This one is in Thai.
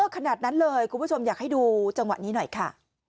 ขนาดนั้นเลยคุณผู้ชมอยากให้ดูจังหวะนี้หน่อยค่ะ